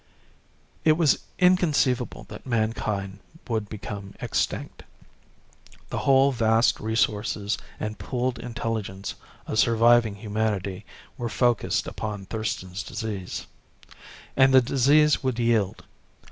It was inconceivable that mankind would become extinct. The whole vast resources and pooled intelligence of surviving humanity were focused upon Thurston's Disease. And the disease would yield.